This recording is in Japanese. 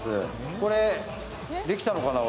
これ、できたのかな、俺。